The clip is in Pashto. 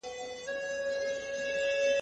زده کوونکي څنګه د معلوماتو رښتیا توب ګوري؟